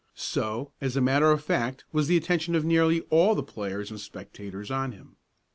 So, as a matter of fact, was the attention of nearly all the players and spectators on him.